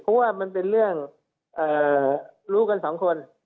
เพราะว่ามันเป็นเรื่องรู้กันสองคน